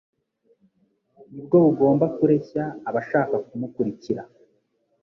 nibwo bugomba kureshya abashaka kumukurikira.